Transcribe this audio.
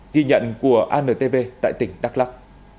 ghi nhận của antv tại tỉnh đắk lắc